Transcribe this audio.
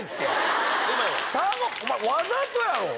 お前わざとやろ？